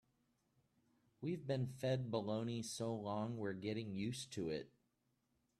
We've been fed baloney so long we're getting used to it.